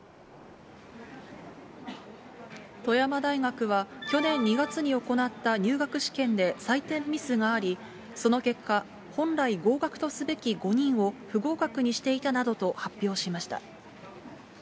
富山大学は、去年２月に行った入学試験で採点ミスがあり、その結果、本来合格とすべき５人を不合格にしていたなどと発表しました。